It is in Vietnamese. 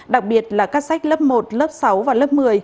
đặc biệt là các sách lớp một lớp sáu và lớp một mươi